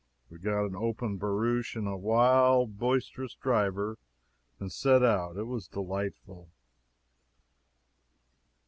We got an open barouche and a wild, boisterous driver, and set out. It was delightful.